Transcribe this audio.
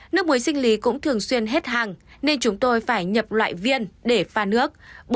nước muối sinh lý cũng thường xuyên hết hàng nên chúng tôi phải nhập loại viên để pha nước